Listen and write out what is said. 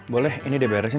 boleh ini diberesin